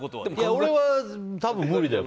俺は多分、無理だよ。